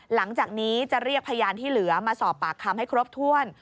หลังจากนี้จะเรียกพยานที่เหลือมาสอบปากคำให้ครบถ้วน